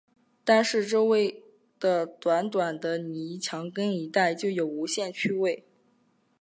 单是周围的短短的泥墙根一带，就有无限趣味